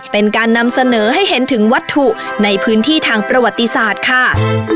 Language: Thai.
เป็นการนำเสนอให้เห็นถึงวัตถุในพื้นที่ทางประวัติศาสตร์ค่ะ